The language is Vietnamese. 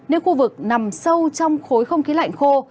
nên khu vực nằm sâu trong khối không khí lạnh khô